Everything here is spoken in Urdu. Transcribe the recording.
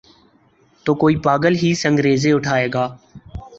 تو کوئی پاگل ہی سنگریزے اٹھائے گا۔